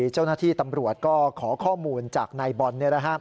เจ้าหน้าที่ตำรวจก็ขอข้อมูลจากนายบอล